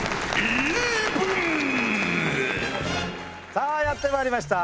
さあやって参りました。